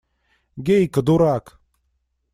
Гейка, дурак!